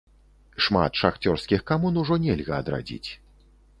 Шмат шахцёрскіх камун ужо нельга адрадзіць.